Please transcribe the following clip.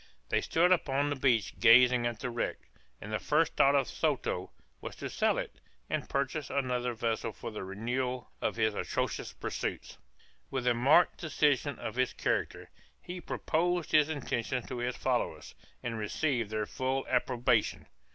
They stood upon the beach gazing at the wreck, and the first thought of Soto, was to sell it, and purchase another vessel for the renewal of his atrocious pursuits. With the marked decision of his character, he proposed his intention to his followers, and received their full approbation.